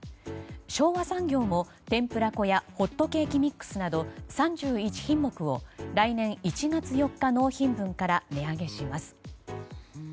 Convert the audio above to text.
昭和産業も天ぷら粉やホットケーキミックスなど３１品目を来年１月４日納品分から値上げします。